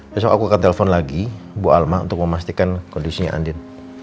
besok aku akan telpon lagi bu alma untuk memastikan kondisinya andin